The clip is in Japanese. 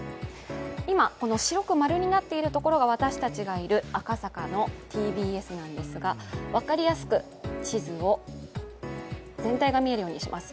今、この白く○になっているところが、私たちがいる赤坂のＴＢＳですが分かりやすく、地図を全体が見えるようにします。